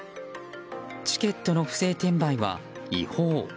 チケットの不正転売は違法。